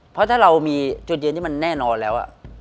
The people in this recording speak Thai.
เพราะถ้าเรามีจุดยืนที่มันแน่นอนแล้ว